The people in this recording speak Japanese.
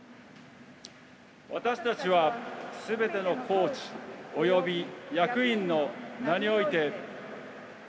私たちは、すべてのコーチ及び役員の名において。